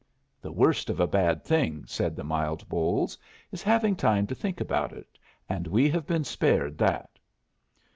"The worst of a bad thing," said the mild Bolles, "is having time to think about it, and we have been spared that."